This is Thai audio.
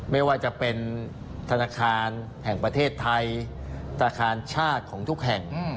ไม่ว่าจะเป็นธนาคารแห่งประเทศไทยธนาคารชาติของทุกแห่ง